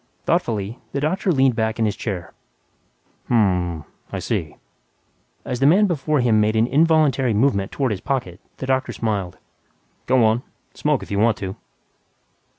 Thoughtfully, the doctor leaned back in his chair, "Hm m m ... I see." As the man before him made an involuntary movement toward his pocket, the doctor smiled, "Go on, smoke if you want to."